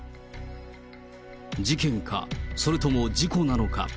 事件か、それとも事故なのか。